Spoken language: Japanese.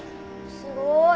すごい。